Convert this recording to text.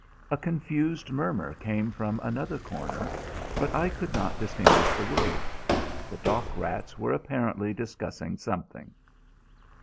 A confused murmur came from another corner; but I could not distinguish the words: The dock rats were apparently discussing something.